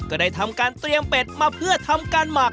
ก็ได้ทำการเตรียมเป็ดมาเพื่อทำการหมัก